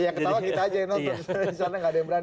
iya ketawa kita aja yang nonton disana nggak ada yang berani